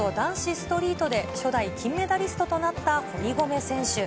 ストリートで初代金メダリストとなった堀米選手。